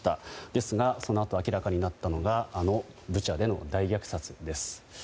ですが、そのあと明らかになったのがあのブチャでの大虐殺です。